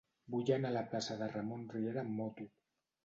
Vull anar a la plaça de Ramon Riera amb moto.